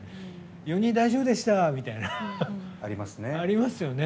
４人大丈夫でしたみたいな。ありますよね。